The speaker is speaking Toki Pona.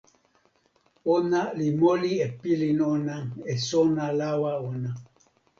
ona li moli e pilin ona e sona lawa ona.